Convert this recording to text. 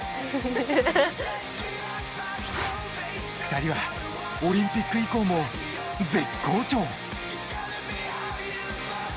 ２人はオリンピック以降も絶好調！